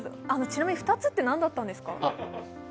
ちなみに２つって何だったんですか？